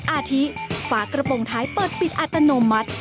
อาทิฝากระโปรงท้ายเปิดปิดอัตโนมัติ